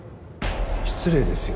失礼ですよ。